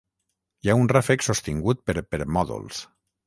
Hi ha un ràfec sostingut per permòdols.